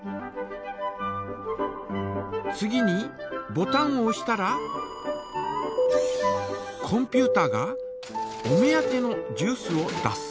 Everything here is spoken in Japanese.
次にボタンをおしたらコンピュータがお目当てのジュースを出す。